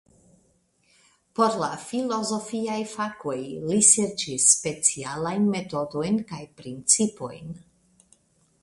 Por la filozofiaj fakoj li serĉis specialajn metodojn kaj principojn.